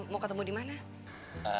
mau ketemu di mana